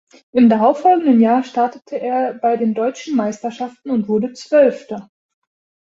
Im darauffolgenden Jahr startete er bei den deutschen Meisterschaften und wurde Zwölfter.